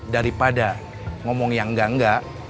daripada ngomong yang enggak enggak